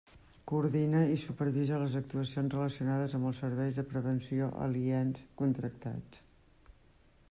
Coordina i supervisa les actuacions relacionades amb els serveis de prevenció aliens contractats.